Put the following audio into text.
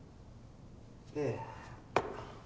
ええ。